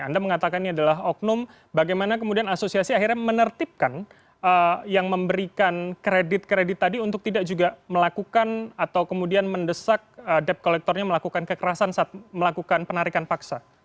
anda mengatakan ini adalah oknum bagaimana kemudian asosiasi akhirnya menertibkan yang memberikan kredit kredit tadi untuk tidak juga melakukan atau kemudian mendesak debt collectornya melakukan kekerasan saat melakukan penarikan paksa